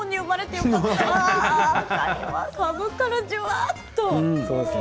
中から、じゅわっと。